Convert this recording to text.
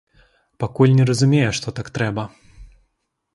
Пакуль не разумее, што так трэба.